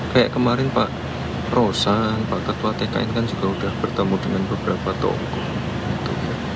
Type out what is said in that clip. kayak kemarin pak rosan pak ketua tkn kan juga sudah bertemu dengan beberapa tokoh hukum